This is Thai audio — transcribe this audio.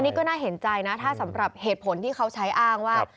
นี่ก็น่าเห็นใจนะถ้าสำหรับเหตุผลที่เขาใช้อ้างว่า